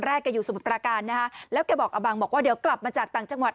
แกอยู่สมุทรประการนะฮะแล้วแกบอกอบังบอกว่าเดี๋ยวกลับมาจากต่างจังหวัด